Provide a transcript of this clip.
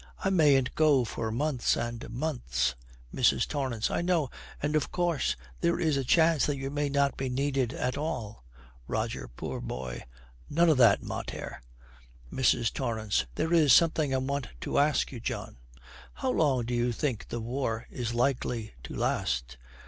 I mayn't go for months and months.' MRS. TORRANCE. 'I know and, of course, there is a chance that you may not be needed at all.' ROGER, poor boy, 'None of that, mater.' MRS. TORRANCE. 'There is something I want to ask you, John How long do you think the war is likely to last?'